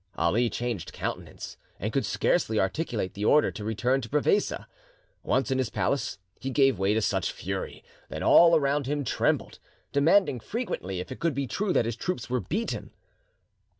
Ali changed countenance, and could scarcely articulate the order to return to Prevesa. Once in his palace, he gave way to such fury that all around him trembled, demanding frequently if it could be true that his troops were beaten.